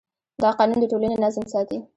دا قانون د ټولنې نظم ساتي.